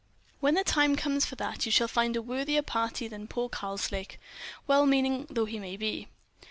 "When the time comes for that, you shall find a worthier parti than poor Karslake, well meaning though he may be.